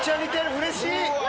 うれしい。